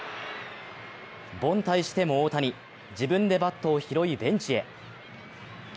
凡退しても大谷自分でバットを拾い、ベンチへ。